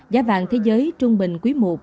giá vàng thế giới trung bình quý một